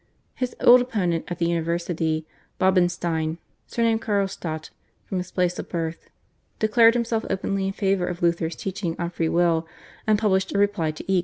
His old opponent at the university, Bodenstein (surnamed Carlstadt from his place of birth), declared himself openly in favour of Luther's teaching on free will, and published a reply to Eck.